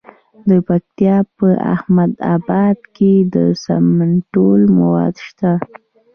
د پکتیا په احمد اباد کې د سمنټو مواد شته.